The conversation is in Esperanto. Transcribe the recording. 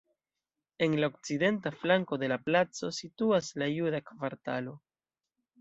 En la okcidenta flanko de la placo situas la juda kvartalo.